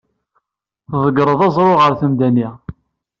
Tḍeggreḍ aẓru ɣer temda-nni.